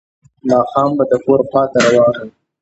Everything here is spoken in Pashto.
ماښام به د کور خواته روان و.